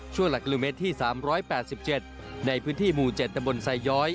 หลักกิโลเมตรที่๓๘๗ในพื้นที่หมู่๗ตำบลไซย้อย